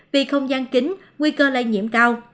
vì không gian kính nguy cơ lây nhiễm cao